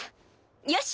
よし！